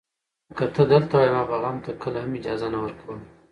که ته دلته وای، ما به غم ته کله هم اجازه نه ورکوله.